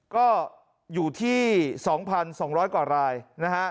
ก็อยู่ที่๒๒๐๐กว่ารายนะฮะ